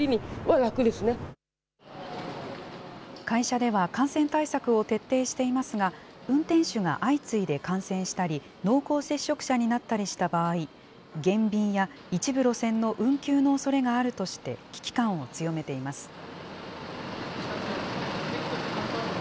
会社では感染対策を徹底していますが、運転手が相次いで感染したり、濃厚接触者になったりした場合、減便や、一部路線の運休のおそれがあるとして、危機感を強めています。